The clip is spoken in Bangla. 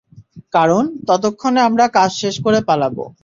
কারণ, ততক্ষণে আমরা কাজ শেষ করে পালাবো।